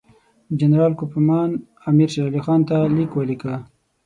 جنرال کوفمان امیر شېر علي خان ته لیک ولیکه.